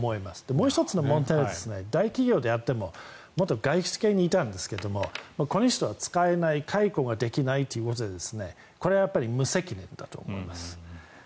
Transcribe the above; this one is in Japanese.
もう１つの問題は大企業であっても外資系にいたんですがこの人は使えない解雇ができないということで無責任だと思います。